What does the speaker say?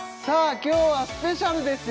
今日はスペシャルですよ